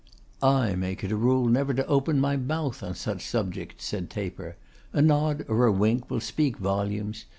'I make it a rule never to open my mouth on such subjects,' said Taper. 'A nod or a wink will speak volumes.